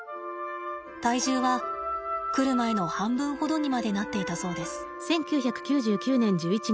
体重は来る前の半分ほどにまでなっていたそうです。